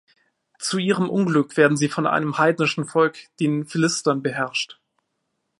Zu ihrem Unglück werden sie von einem heidnischen Volk, den Philistern, beherrscht.